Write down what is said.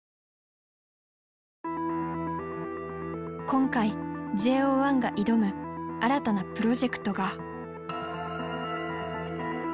今回ＪＯ１が挑む新たなプロジェクトが。